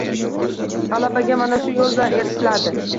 G’alabaga mana shu yo’l bilan erishiladi